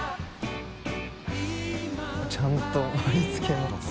ちゃんと盛り付けも